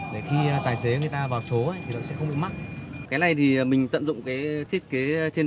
để khi tài xế người ta vào số ấy thì nó sẽ không bị mắc cái này thì mình tận dụng cái thiết kế trên